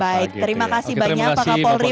baik terima kasih banyak pak kapolri